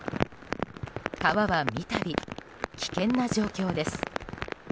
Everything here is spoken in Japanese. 川は三度、危険な状況です。